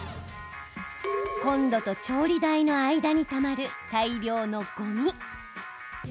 コンロと調理台の間にたまる大量のごみ。